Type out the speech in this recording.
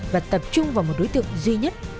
và tập trung vào một đối tượng duy nhất